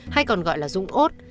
hay còn gọi là dũng út